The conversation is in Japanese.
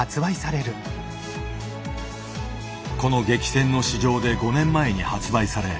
この激戦の市場で５年前に発売され